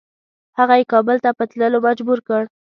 هغه یې کابل ته په تللو مجبور کړ.